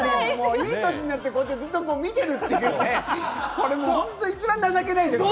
いい歳になって、ずっと見てるってね、一番情けないときね。